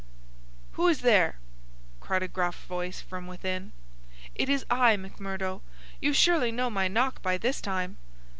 "Who is there?" cried a gruff voice from within. "It is I, McMurdo. You surely know my knock by this time."